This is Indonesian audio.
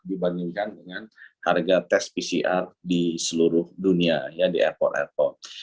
dibandingkan dengan harga tes pcr di seluruh dunia ya di airport airport